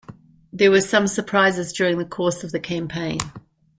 There were some surprises during the course of the campaign.